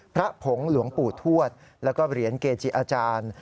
พระผงหลวงปู่ทวดแล้วก็เหรียญเกจิอาจารย์